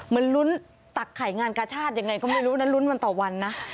มันลุ้นตักไข่งานกาชาติยังไงก็ไม่รู้นะ